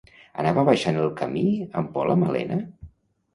Anava baixant el camí amb por la Malena?